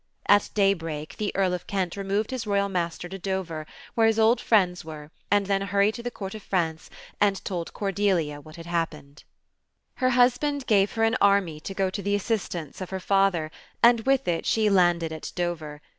At daybreak the Earl of Keilt removed his royal master to Dover, where his old friends were, and then hurried to the Court of France and told Cordelia what had happened. Her husband gave her an army to go to the assistance of her father, and. with it she landed at Dover.